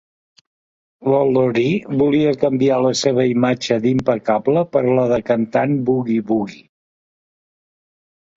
La Lorie volia canviar la seva imatge d'impecable per la de cantant bugui-bugui